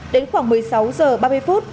đến khoảng một mươi sáu giờ ba mươi phút